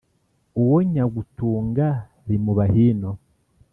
Uwo nyagutunga rimuba hino.